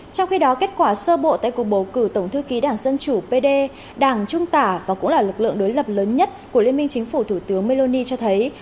trong khi đó kết quả sơ bộ tại cuộc bầu cử tổng thư ký đảng dân chủ pd đảng trung tả và cũng là lực lượng đối lập lớn nhất của liên minh chính phủ thủ tướng meloni cho thấy